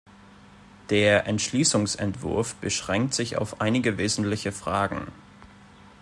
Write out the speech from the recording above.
Der Entschließungsentwurf beschränkt sich auf einige wesentliche Fragen.